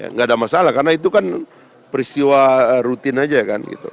nggak ada masalah karena itu kan peristiwa rutin aja kan gitu